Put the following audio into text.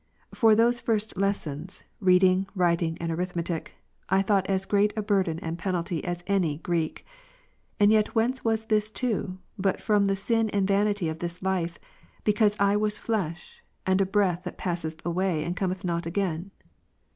For those first lessons, reading, writing, and arithmetic, I thought as great a burden and penalty as any Greek. And yet whence was this too, but Ps. 78, from the sin and vanity of this life, because / was flesh, and a breath that passeth away and cometh not again